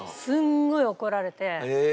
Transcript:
すごい怒られて。